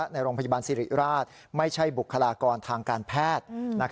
ในโรงพยาบาลสิริราชไม่ใช่บุคลากรทางการแพทย์